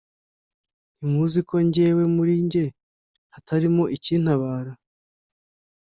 ntimuzi ko jyewe muri jye hatarimo ikintabara,